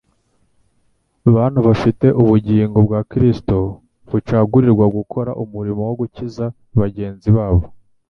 bantu bafite ubugingo bwa Kristo bacagurirwa gukora umurimo wo gukiza bagenzi babo.